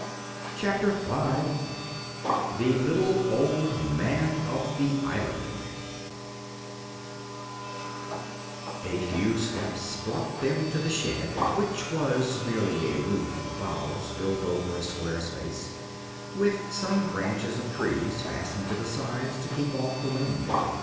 Chapter Five The Little Old Man of the Island A few steps brought them to the shed, which was merely a roof of boughs built over a square space, with some branches of trees fastened to the sides to keep off the wind.